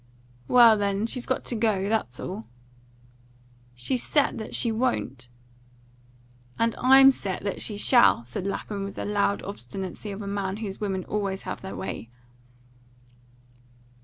"Well, then, she's got to go, that's all." "She's set she won't." "And I'm set she shall," said Lapham with the loud obstinacy of a man whose women always have their way.